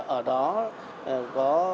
ở đó có